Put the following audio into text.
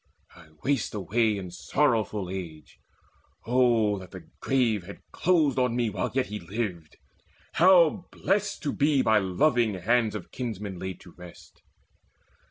I waste away In sorrowful age oh that the grave had closed On me while yet he lived! How blest to be By loving hands of kinsmen laid to rest!